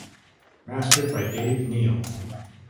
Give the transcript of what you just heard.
Mastered by Dave Neil.